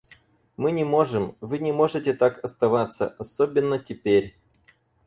Мы не можем... вы не можете так оставаться, особенно теперь.